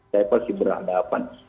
saya pasti berhadapan